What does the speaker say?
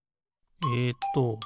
えっと